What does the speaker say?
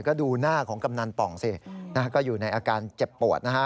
ก็ดูหน้าของกำนันป่องสินะฮะก็อยู่ในอาการเจ็บปวดนะฮะ